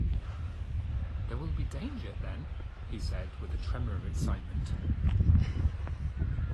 "There will be danger, then?" he said, with a tremor of excitement.